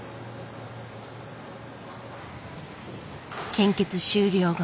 献血終了後。